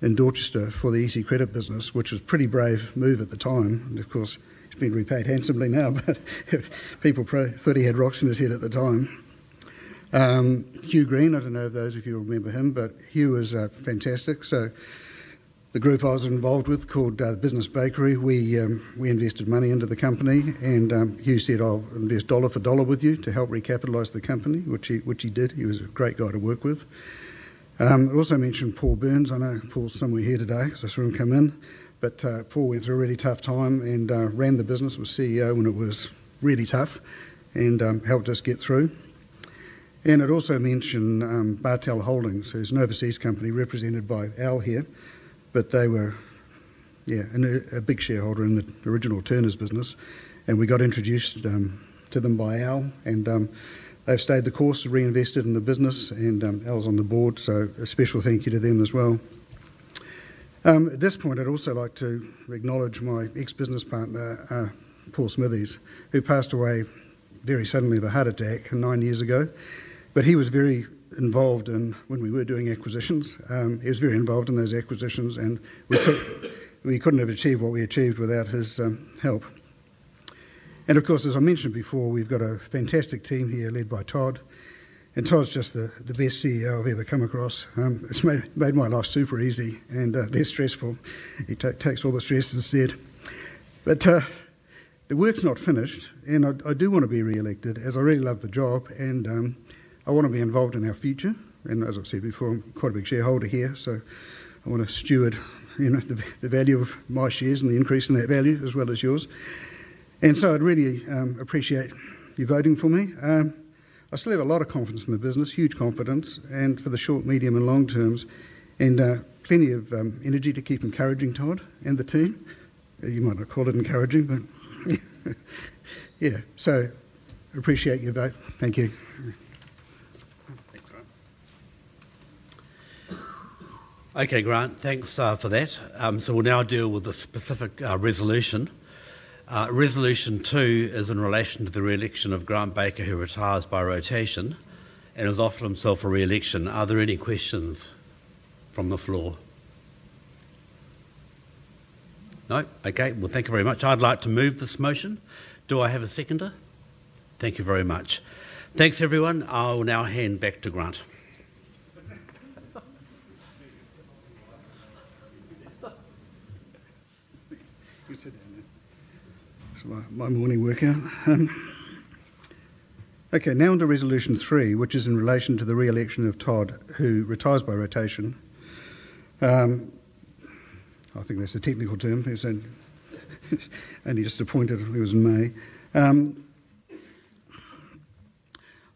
in Dorchester for the EC credit business, which was a pretty brave move at the time. It's been repaid handsomely now, but people thought he had rocks in his head at the time. Hugh Green, I don't know if those of you remember him, but Hugh was fantastic. The group I was involved with called Business Bakery, we invested money into the company, and Hugh said, "I'll invest dollar for dollar with you to help recapitalize the company," which he did. He was a great guy to work with. I also mentioned Paul Byrnes. I know Paul's somewhere here today, so I saw him come in. Paul went through a really tough time and ran the business, was CEO when it was really tough, and helped us get through. I'd also mention Bartel Holdings, who's an overseas company represented by Al here, but they were a big shareholder in the original Turners business. We got introduced to them by Al, and they've stayed the course, reinvested in the business, and Al's on the board, so a special thank you to them as well. At this point, I'd also like to acknowledge my ex-business partner, Paul Smithies, who passed away very suddenly of a heart attack nine years ago. He was very involved in, when we were doing acquisitions, he was very involved in those acquisitions, and we couldn't have achieved what we achieved without his help. Of course, as I mentioned before, we've got a fantastic team here led by Todd, and Todd's just the best CEO I've ever come across. It's made my life super easy and less stressful. He takes all the stress instead. The work's not finished, and I do want to be reelected as I really love the job, and I want to be involved in our future. As I've said before, I'm quite a big shareholder here, so I want to steward the value of my shares and the increase in that value as well as yours. I'd really appreciate you voting for me. I still have a lot of confidence in the business, huge confidence, and for the short, medium, and long terms, and plenty of energy to keep encouraging Todd and the team. You might not call it encouraging, but yeah. I appreciate your vote. Thank you. Thanks, Grant. Okay, Grant, thanks for that. We'll now deal with the specific resolution. Resolution two is in relation to the reelection of Grant Baker, who retires by rotation and has offered himself for reelection. Are there any questions from the floor? No, okay. Thank you very much. I'd like to move this motion. Do I have a seconder? Thank you very much. Thanks, everyone. I'll now hand back to Grant. Good shutdown there. That's my morning workout. Okay, now on to resolution three, which is in relation to the reelection of Todd, who retires by rotation. I think that's a technical term. He just appointed, I think it was in May. I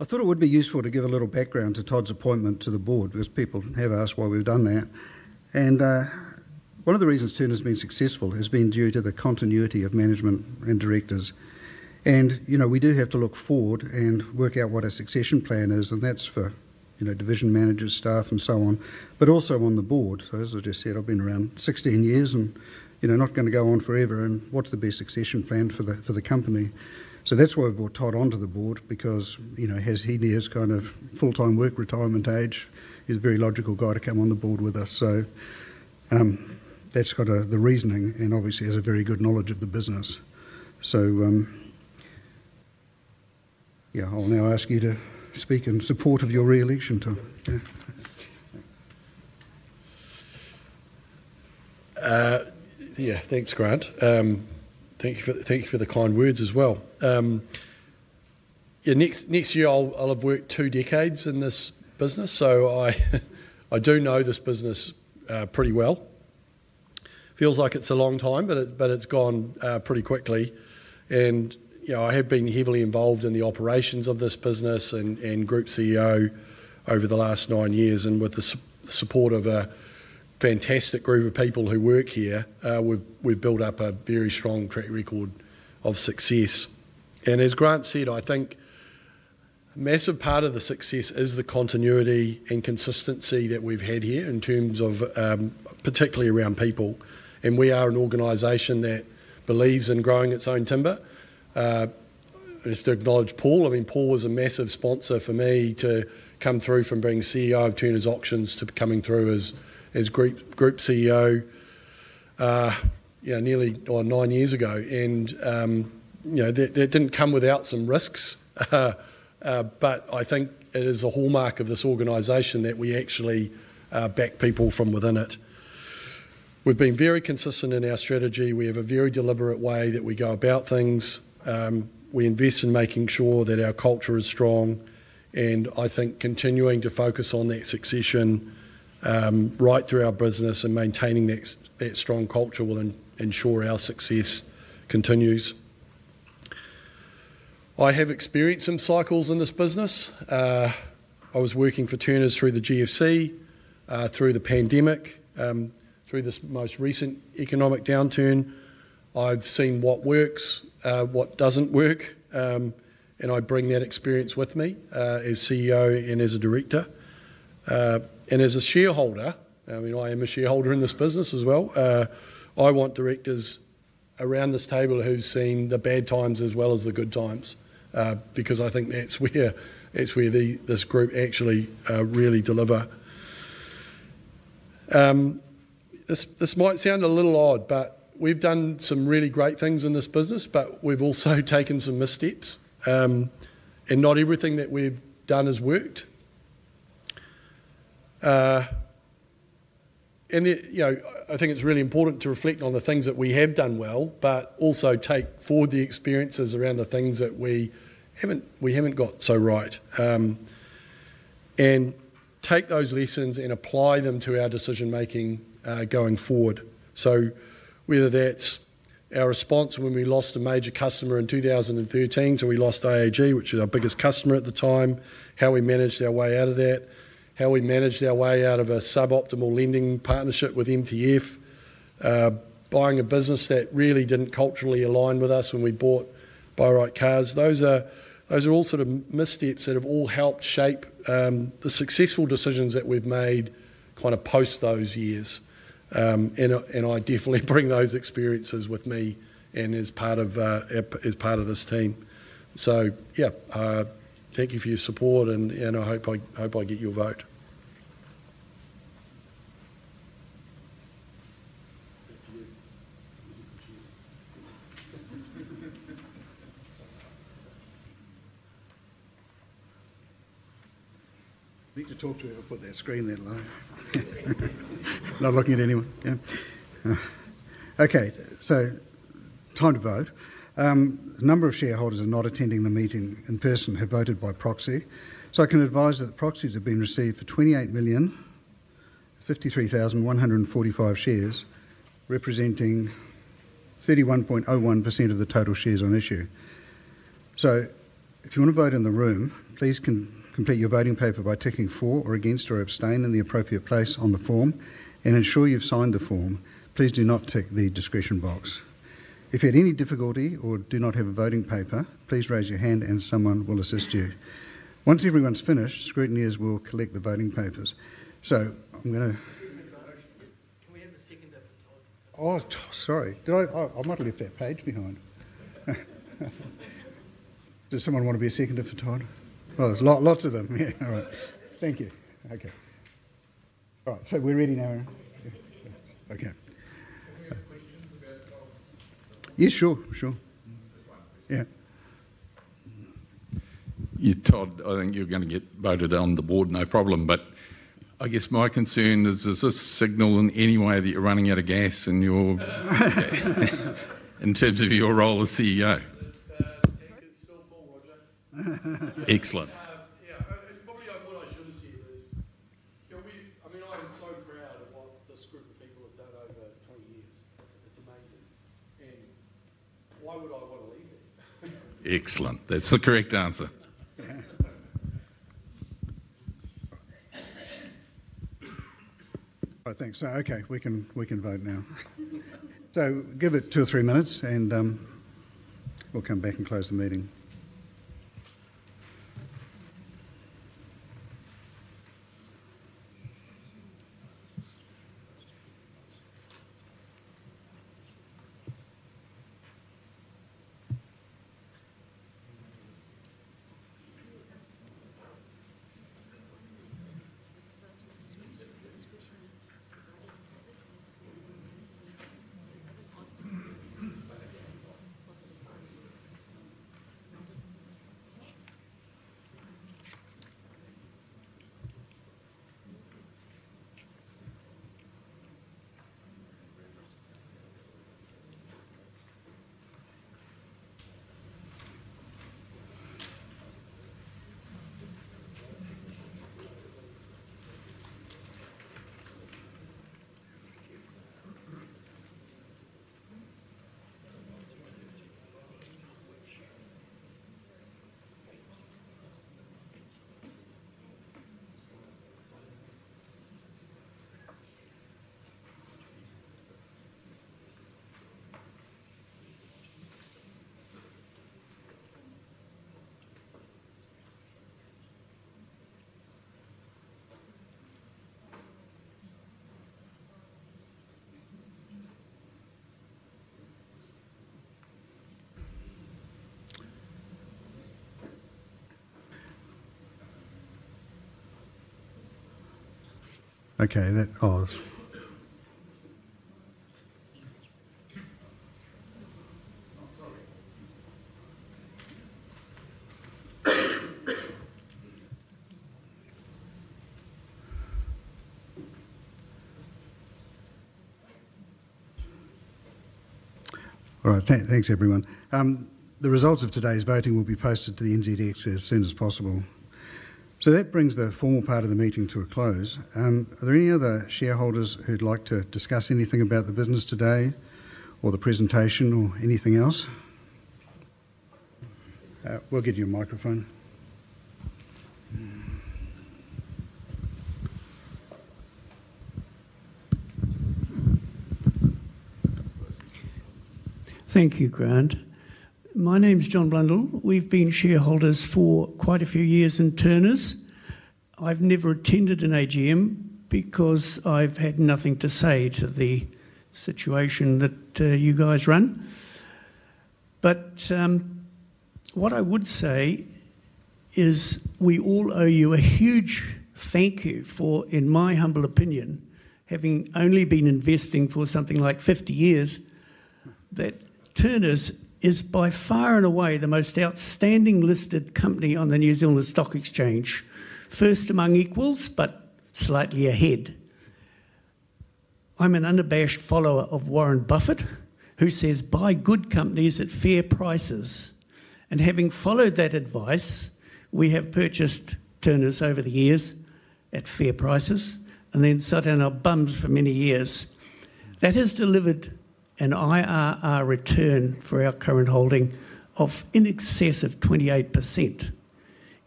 thought it would be useful to give a little background to Todd's appointment to the board because people have asked why we've done that. One of the reasons Turners has been successful has been due to the continuity of management and directors. You know, we do have to look forward and work out what our succession plan is, and that's for, you know, division managers, staff, and so on, but also on the board. As I just said, I've been around 16 years and, you know, not going to go on forever. What's the best succession plan for the company? That's why we brought Todd onto the board because, you know, as he nears his kind of full-time work retirement age, he's a very logical guy to come on the board with us. That's kind of the reasoning, and obviously he has a very good knowledge of the business. I'll now ask you to speak in support of your reelection, too. Yeah, thanks, Grant. Thank you for the kind words as well. Next year, I'll have worked two decades in this business, so I do know this business pretty well. Feels like it's a long time, but it's gone pretty quickly. I have been heavily involved in the operations of this business and Group CEO over the last nine years, and with the support of a fantastic group of people who work here, we've built up a very strong track record of success. As Grant said, I think a massive part of the success is the continuity and consistency that we've had here, particularly around people. We are an organization that believes in growing its own timber. I just acknowledge Paul. Paul was a massive sponsor for me to come through from being CEO of Turners Auctions to coming through as Group CEO, nearly nine years ago. That didn't come without some risks, but I think it is a hallmark of this organization that we actually back people from within it. We've been very consistent in our strategy. We have a very deliberate way that we go about things. We invest in making sure that our culture is strong. I think continuing to focus on that succession right through our business and maintaining that strong culture will ensure our success continues. I have experienced some cycles in this business. I was working for Turners through the GFC, through the pandemic, through this most recent economic downturn. I've seen what works, what doesn't work, and I bring that experience with me as CEO and as a director. As a shareholder, I am a shareholder in this business as well, I want directors around this table who've seen the bad times as well as the good times because I think that's where this group actually really delivers. This might sound a little odd, but we've done some really great things in this business, but we've also taken some missteps, and not everything that we've done has worked. I think it's really important to reflect on the things that we have done well, but also take forward the experiences around the things that we haven't got so right and take those lessons and apply them to our decision-making going forward. Whether that's our response when we lost a major customer in 2013, we lost AA, which was our biggest customer at the time, how we managed our way out of that, how we managed our way out of a suboptimal lending partnership with MTF, buying a business that really didn't culturally align with us when we bought Buyright Cars. Those are all sort of missteps that have all helped shape the successful decisions that we've made kind of post those years. I definitely bring those experiences with me and as part of this team. Thank you for your support, and I hope I get your vote. Thank you. Appreciate it. Need to talk to you. I'll put that screen there low. Not looking at anyone. Okay, time to vote. A number of shareholders who are not attending the meeting in person have voted by proxy. I can advise that the proxies have been received for 28,053,145 shares, representing 31.01% of the total shares on issue. If you want to vote in the room, please complete your voting paper by ticking for, against, or abstain in the appropriate place on the form and ensure you've signed the form. Please do not tick the discretion box. If you have any difficulty or do not have a voting paper, please raise your hand and someone will assist you. Once everyone's finished, scrutineers will collect the voting papers. I'm going to... Can we have a seconder? Oh, sorry. Did I? I might have left that page behind. Does someone want to be a seconder for Todd? Oh, there's lots of them. All right. Thank you. All right. We're ready now. Yeah. Okay. Sure. Sure. Yeah. Yeah, Todd, I think you're going to get voted on the board, no problem. I guess my concern is, is this a signal in any way that you're running out of gas in terms of your role as CEO? It is still full water. Excellent. What I should have said was, I mean, I am so proud of what this group of people have done over 20 years. It's amazing. Why would I want to leave it? Excellent. That's the correct answer. Yeah.I think so. Okay, we can vote now. Give it two or three minutes, and we'll come back and close the meeting. Okay, that paused. All right, thanks everyone. The results of today's voting will be posted to the NZX as soon as possible. That brings the formal part of the meeting to a close. Are there any other shareholders who'd like to discuss anything about the business today or the presentation or anything else? We'll give you a microphone. Thank you, Grant. My name's John Blundell. We've been shareholders for quite a few years in Turners. I've never attended an AGM because I've had nothing to say to the situation that you guys run. What I would say is we all owe you a huge thank you for, in my humble opinion, having only been investing for something like 50 years, that Turners is by far and away the most outstanding listed company on the New Zealand Stock Exchange, first among equals, but slightly ahead. I'm an unabashed follower of Warren Buffett, who says, "Buy good companies at fair prices." Having followed that advice, we have purchased Turners over the years at fair prices and then sat on our bums for many years. That has delivered an IRR return for our current holding of in excess of 28%.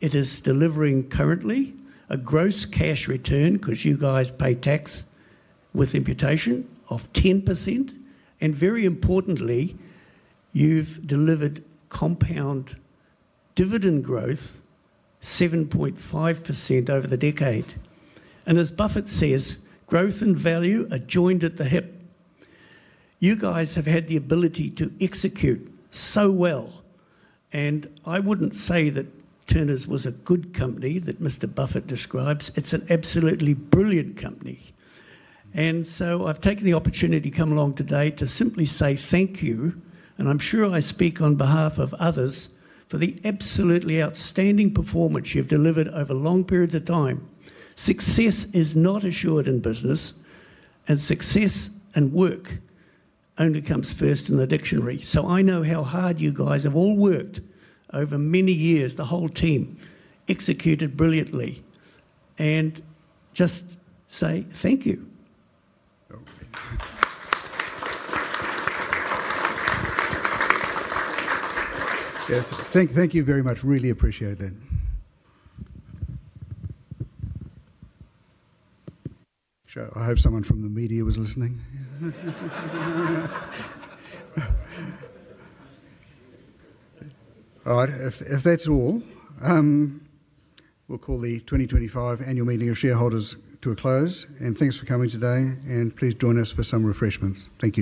It is delivering currently a gross cash return, because you guys pay tax with imputation, of 10%. Very importantly, you've delivered compound dividend growth of 7.5% over the decade. As Buffett says, "Growth and value are joined at the hip." You guys have had the ability to execute so well. I wouldn't say that Turners was a good company that Mr. Buffett describes. It's an absolutely brilliant company. I've taken the opportunity to come along today to simply say thank you. I'm sure I speak on behalf of others for the absolutely outstanding performance you've delivered over long periods of time. Success is not assured in business, and success and work only comes first in the dictionary. I know how hard you guys have all worked over many years, the whole team, executed brilliantly, and just say thank you. Thank you very much. Really appreciate it. I hope someone from the media was listening. If that's all, we'll call the 2025 Annual Meeting of Shareholders to a close. Thanks for coming today, and please join us for some refreshments. Thank you.